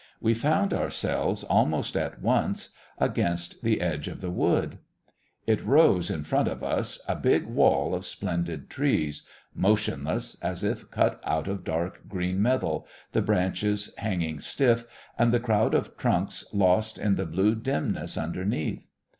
We found ourselves almost at once against the edge of the wood. It rose in front of us, a big wall of splendid trees, motionless as if cut out of dark green metal, the branches hanging stiff, and the crowd of trunks lost in the blue dimness underneath.